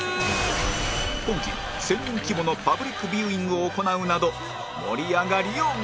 今季１０００人規模のパブリックビューイングを行うなど盛り上がりを見せる